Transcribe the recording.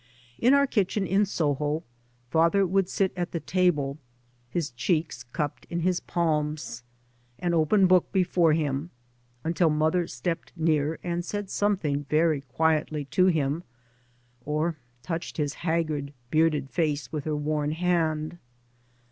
In our kitchen in Soho father would sit at the table, his cheeks cupped in his pakns, an open book before him, until mother stepped near and said something very quietly to him, or touched his haggard, bearded face with her worn hand.